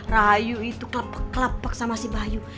rayu itu kelapak kelapak sama si bayu